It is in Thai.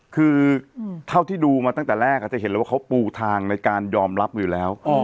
คือเท่าที่ดูมาตั้งแต่แรกจะเห็นเลยว่าเขาปูทางในการยอมรับอยู่แล้ว